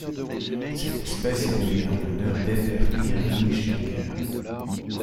Cette espèce est nommée en l'honneur d'Evert Irving Schlinger.